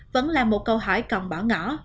vẫn là một câu hỏi còn bỏ ngỏ